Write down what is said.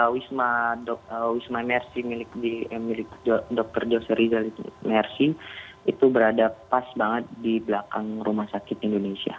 wisma mercy milik dr dossi riza itu berada pas banget di belakang rumah sakit indonesia